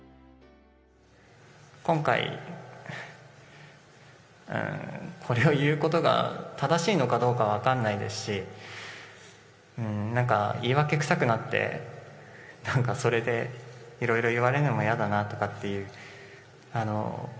今回、これを言うことが正しいのかどうか分かんないですし、なんか、言い訳くさくなって、なんかそれで、いろいろ言わるのもやだなとかっていう。